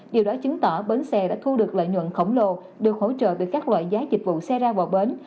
điều đó chứng tỏ bến xe đã thu được lợi nhuận khổng lồ được hỗ trợ từ các loại giá dịch vụ xe ra vào bến